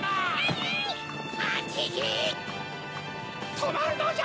とまるのじゃ！